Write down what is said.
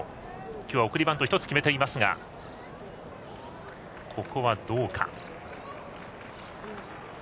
今日は送りバントを１つ決めていますがここはどうか。